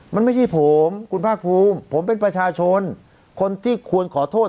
มันไม่ใช่ผมคุณภาคภูมิผมเป็นประชาชนคนที่ควรขอโทษ